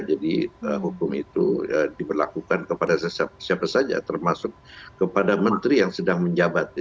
jadi hukum itu diberlakukan kepada siapa saja termasuk kepada menteri yang sedang menjabat